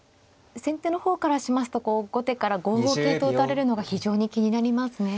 先手の方からしますとこう後手から５五桂と打たれるのが非常に気になりますね。